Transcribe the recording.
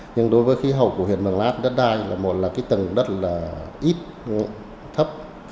nhưng đối với khí hậu của huyện mường lát đất đai là một là cái tầng đất là ít thấp